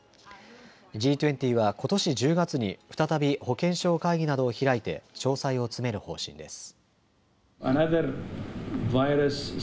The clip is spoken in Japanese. Ｇ２０はことし１０月に再び保健相会議などを開いて詳細を詰める方針です。